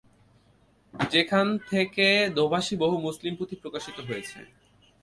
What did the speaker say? যেখান থেকে দোভাষী বহু মুসলিম পুঁথি প্রকাশিত হয়েছে।